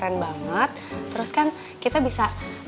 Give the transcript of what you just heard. wabit dulu ya be ya